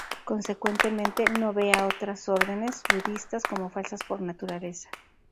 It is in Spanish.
Consecuentemente, no ve a otras órdenes budistas como falsas por naturaleza.